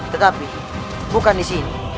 tetapi bukan disini